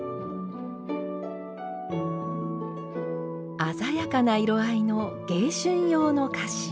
鮮やかな色合いの迎春用の菓子。